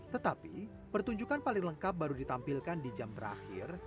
tetapi pertunjukan paling lengkap baru ditampilkan di jam terakhir